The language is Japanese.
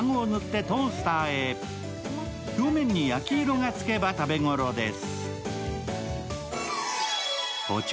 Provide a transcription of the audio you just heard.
表面に焼き色がつけば食べごろです。